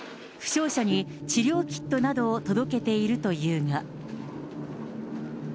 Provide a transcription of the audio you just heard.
負傷者に治療キットなどを届けているというが。